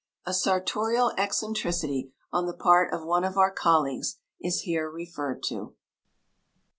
_" A sartorial eccentricity on the part of one of our colleagues is here referred to.